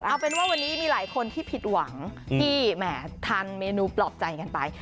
เอาเป็นว่าวันนี้มีหลายคนที่ผิดหวังที่แหมทานเมนูปลอบใจกันไป